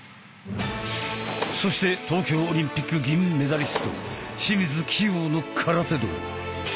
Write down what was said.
そして東京オリンピック銀メダリスト清水希容の空手道。